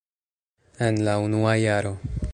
En la unua jaro.